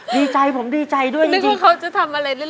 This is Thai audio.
ดีใจผมดีใจด้วยจริงจริงเหมือนเขาจะทำอะไรเล่นเล่น